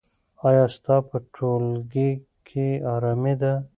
ایا ستا په ټولګي کې ارامي ده؟